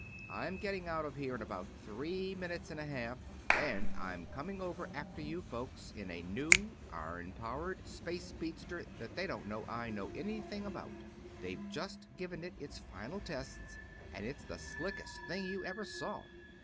I'm getting out of here in about three minutes and a half, and I'm coming over after you folks, in a new, iron powered space speedster that they don't know I know anything about. They've just given it its final tests, and it's the slickest thing you ever saw."